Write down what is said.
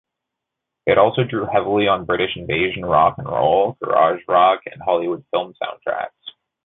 It also drew heavily on British invasion rock'n'roll, garage rock and Hollywood film soundtracks.